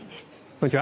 こんにちは。